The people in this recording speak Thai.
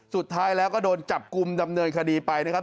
สุดท้ายแล้วก็โดนจับกลุ่มดำเนินคดีไปนะครับ